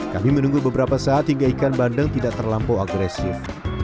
kami menunggu beberapa saat hingga ikan bandeng tidak terlampau agresif